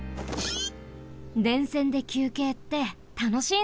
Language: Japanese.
電線できゅうけいってたのしいんだね。